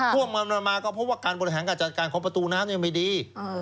ร่วมกันมาก็เพราะว่าการบริหารการจัดการของประตูน้ำยังไม่ดี